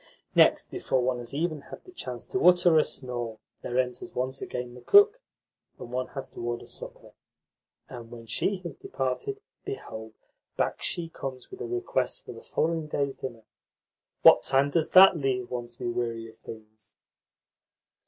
Next, before one has even had a chance to utter a snore, there enters once again the cook, and one has to order supper; and when she has departed, behold, back she comes with a request for the following day's dinner! What time does THAT leave one to be weary of things?"